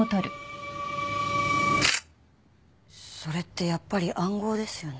それってやっぱり暗号ですよね？